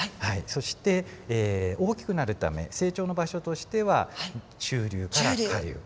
そして大きくなるため成長の場所としては中流から下流。